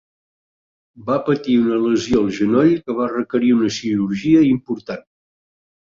Va patir una lesió al genoll que va requerir una cirurgia important.